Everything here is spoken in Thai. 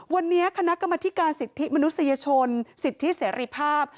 วันนี้คณะกรรมธิการสิทธิมนุษยชนสิทธิเสรีภาพ